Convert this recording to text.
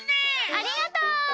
ありがとう！